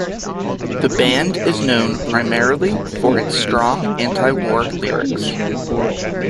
The band is known primarily for its strong anti-war lyrics.